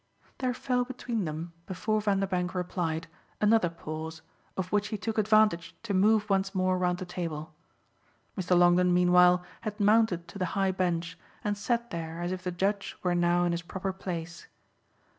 There fell between them, before Vanderbank replied, another pause, of which he took advantage to move once more round the table. Mr. Longdon meanwhile had mounted to the high bench and sat there as if the judge were now in his proper place.